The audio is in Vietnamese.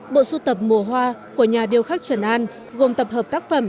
bộ sưu tập mùa hoa của nhà điêu khắc trần an gồm tập hợp tác phẩm